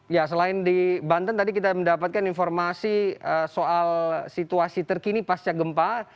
ya selain di banten tadi kita mendapatkan informasi soal situasi terkini pasca gempa